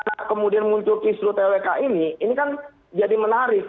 nah kemudian muncul kisru twk ini ini kan jadi menarik